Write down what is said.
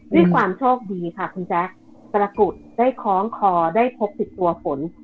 ด้วยความโชคดีค่ะคุณแจ๊คปรากฏได้คล้องคอได้พกติดตัวฝน